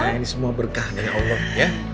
karena ini semua berkah dari allah ya